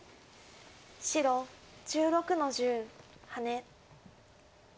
白１６の十ハネ。